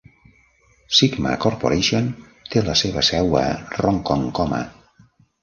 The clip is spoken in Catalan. Sigma Corporation té la seva seu a Ronkonkoma.